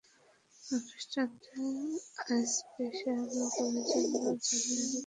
অনুষ্ঠানটা স্পেশাল করার জন্য জনি অনেক পরিশ্রম করেছে।